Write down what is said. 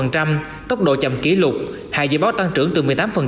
tốc độ chậm kỷ lục hạ dự báo tăng trưởng từ một mươi tám